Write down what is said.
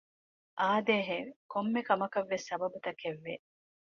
އާދޭހެވެ! ކޮންމެ ކަމަކަށްވެސް ސަބަބުތަކެއްވެ